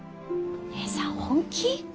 姉さん本気？